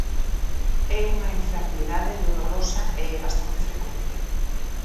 É unha enfermidade dolorosa e bastante frecuente.